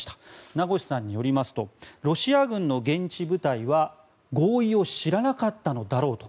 名越さんによりますとロシア軍の現地部隊は合意を知らなかったのだろうと。